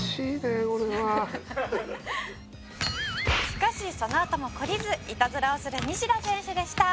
「しかしそのあとも懲りずイタズラをする西田選手でした」